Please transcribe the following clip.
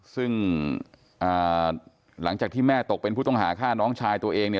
ซึ่งหลังจากที่แม่ตกเป็นผู้ต้องหาฆ่าน้องชายตัวเองเนี่ย